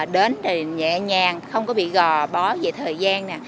đến thì nhẹ nhàng không có bị gò bó về thời gian